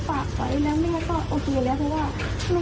เพราะว่าแม่หนูเขาเป็นคนหลายชาติเขาจ่ายอะไรอยู่แบบในบ้านอยู่แล้ว